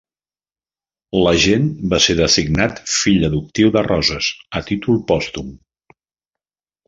L'agent va ser designat fill adoptiu de Roses a títol pòstum.